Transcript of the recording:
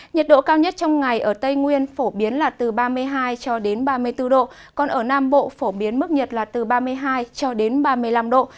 nhiệt độ cao nhất trong ngày ở tây nguyên phổ biến là từ ba mươi hai cho đến ba mươi bốn độ còn ở nam bộ phổ biến mức nhiệt là từ ba mươi hai cho đến ba mươi năm độ